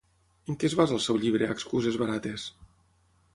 En què es basa el seu llibre Excuses barates?